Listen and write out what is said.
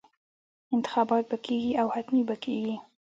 انتخابات به کېږي او حتمي به کېږي.